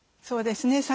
そうですね